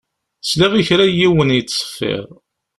Sliɣ i kra n yiwen yettṣeffiṛ.